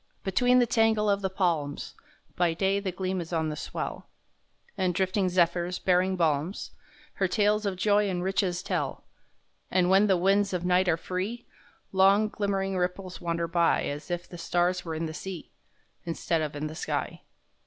Between the tangle of the palms, By day the gleam is on the swell, And drifting zephyrs, bearing balms, Her tales of joy and riches tell, And when the winds of night are free Long, glimmering ripples wander by As if the stars where in the sea, Instead of in the sky.